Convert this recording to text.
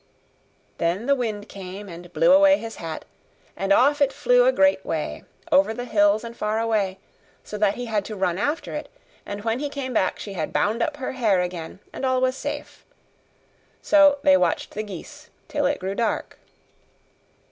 Then the wind came and blew away his hat; and off it flew a great way, over the hills and far away, so that he had to run after it; and when he came back she had bound up her hair again, and all was safe. So they watched the geese till it grew dark.